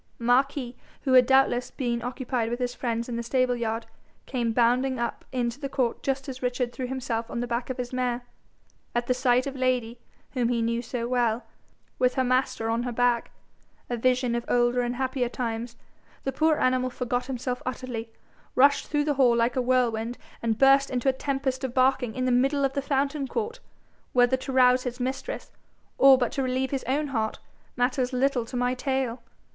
Marquis, who had doubtless been occupied with his friends in the stable yard, came bounding up into the court just as Richard threw himself on the back of his mare. At the sight of Lady, whom he knew so well, with her master on her back, a vision of older and happier times, the poor animal forgot himself utterly, rushed through the hall like a whirlwind, and burst into a tempest of barking in the middle of the fountain court whether to rouse his mistress, or but to relieve his own heart, matters little to my tale.